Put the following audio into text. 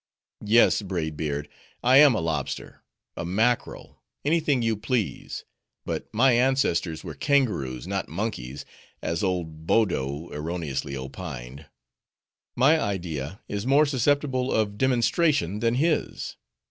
"Yes, Braid Beard, I am a lobster, a mackerel, any thing you please; but my ancestors were kangaroos, not monkeys, as old Boddo erroneously opined. My idea is more susceptible of demonstration than his.